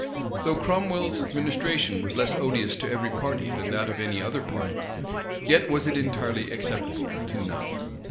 Though Cromwell's administration was less odious to every party than that of any other party, yet was it entirely acceptable to none.